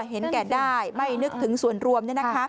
เห็นแก่ได้ไม่นึกถึงส่วนรวม